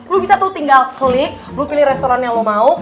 lu bisa tuh tinggal klik lu pilih restoran yang lo mau